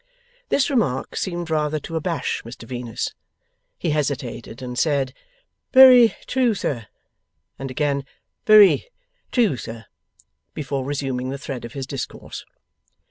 This remark seemed rather to abash Mr Venus. He hesitated, and said, 'Very true, sir;' and again, 'Very true, sir,' before resuming the thread of his discourse.